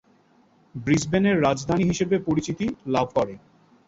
Brisbane এর রাজধানী হিসেবে পরিচিতি লাভ করে।